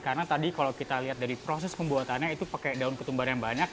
karena tadi kalau kita lihat dari proses pembuatannya itu pakai daun ketumbar yang banyak